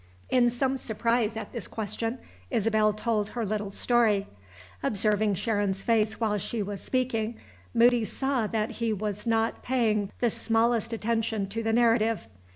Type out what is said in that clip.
In some surprise at this question, Isabel told her little story. Observing Sharon's face while she was speaking, Moody saw that he was not paying the smallest attention to the narrative.